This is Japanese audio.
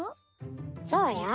そうよ。